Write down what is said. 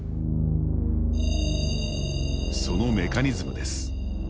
そのメカニズムです。